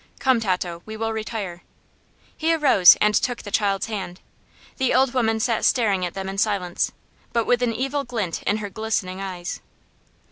Come, Tato; we will retire." He arose and took the child's hand. The old woman sat staring at them in silence, but with an evil glint in her glistening eyes.